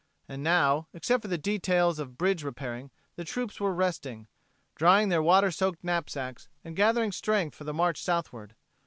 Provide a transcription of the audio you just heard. And now, except for the details of bridge repairing, the troops were resting, drying their water soaked knapsacks, and gathering strength for the march southward.